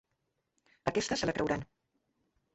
Aquesta se la creuran.